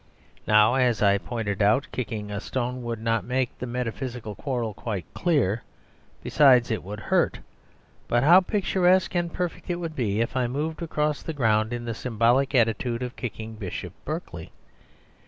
Now (as I pointed out) kicking a stone would not make the metaphysical quarrel quite clear; besides, it would hurt. But how picturesque and perfect it would be if I moved across the ground in the symbolic attitude of kicking Bishop Berkeley!